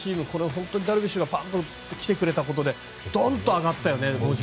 本当にダルビッシュが来てくれたことでどんと上がったよね。